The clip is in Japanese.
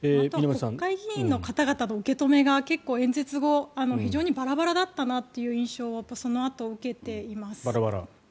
国会議員の方々の受け止めが、演説後非常にバラバラだったなという印象をそのあと受けています。